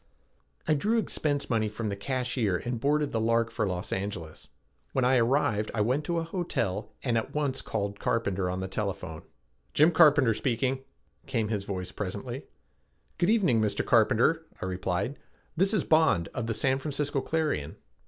I drew expense money from the cashier and boarded the Lark for Los Angeles. When I arrived I went to a hotel and at once called Carpenter on the telephone. "Jim Carpenter speaking," came his voice presently. "Good evening, Mr. Carpenter," I replied, "this is Bond of the San Francisco Clarion."